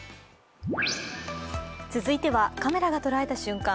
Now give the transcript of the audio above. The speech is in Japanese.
続いてはカメラが捉えた瞬間。